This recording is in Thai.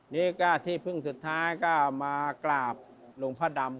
นี่ก็ที่พึ่งสุดท้ายก็มากราบหลวงพ่อดำ